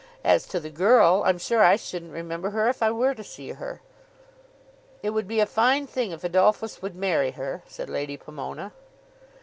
As to the girl, I'm sure I shouldn't remember her if I were to see her." "It would be a fine thing if Adolphus would marry her," said Lady Pomona.